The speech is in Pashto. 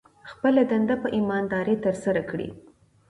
خپله دنده په ایمانداري ترسره کړئ.